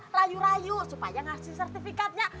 rayu rayu supaya ngasih sertifikatnya